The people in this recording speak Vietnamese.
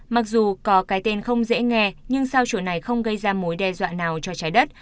mặc dù có cái tên không dễ nghe nhưng sao chủ này không gây ra mối đe dọa nào cho trái đất